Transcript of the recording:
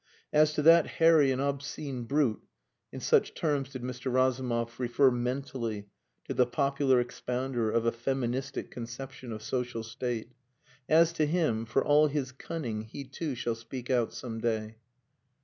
"As to that hairy and obscene brute" (in such terms did Mr. Razumov refer mentally to the popular expounder of a feministic conception of social state), "as to him, for all his cunning he too shall speak out some day."